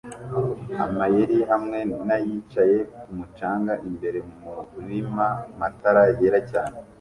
amayeri hamwe na yicaye kumu canga imbere murina matara yera cyane